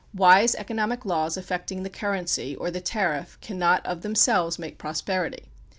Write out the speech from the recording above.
Wise economic laws affecting the currency or the tariff cannot of themselves make prosperity.